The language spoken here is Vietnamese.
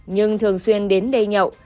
nhưng thường xuyên đến đây nhậu